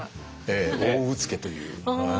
ええ大うつけという。